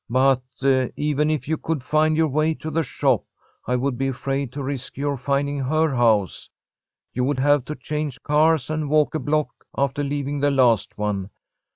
But even if you could find your way to the shop, I would be afraid to risk your finding her house. You would have to change cars and walk a block after leaving the last one.